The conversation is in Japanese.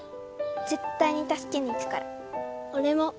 絶対に助けに行くから俺も。